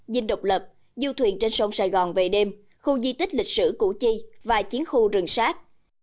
dinh độc lập du thuyền trên sông sài gòn về đêm khu di tích lịch sử củ chi và chiến khu rừng sát